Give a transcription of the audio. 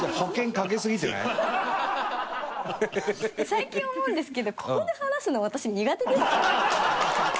最近思うんですけどここで話すの私苦手です。